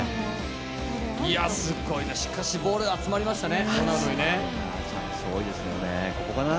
すごいね、しかしボールが集まりましたね。